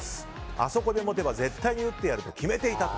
あそこで持てば絶対に打ってやると決めていたと。